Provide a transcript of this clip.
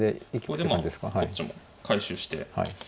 これでまあこっちも回収して。